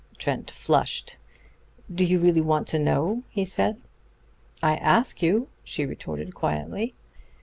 Trent flushed. "Do you really want to know?" he said. "I ask you," she retorted quietly.